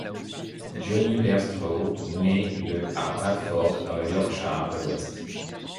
Jonny Bairstow naît le à Bradford, dans le Yorkshire de l'Ouest.